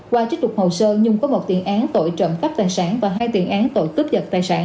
qua trích lục hồ sơ nhung có một tiện án tội trộm khắp tài sản và hai tiện án tội cướp giật tài sản